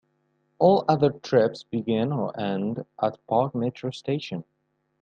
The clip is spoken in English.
All other trips begin or end at Parc Metro station.